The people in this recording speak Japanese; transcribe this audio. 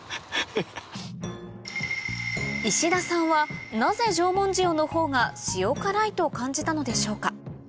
石田さんはなぜ縄文塩のほうが塩辛いと感じたのでしょうか？